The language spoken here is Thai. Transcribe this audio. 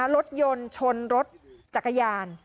รถยนต์ชนรถจักรยาน